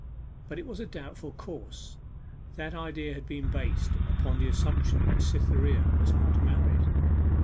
But it was a doubtful course. That idea had been based upon the assumption that Cytherea was not married.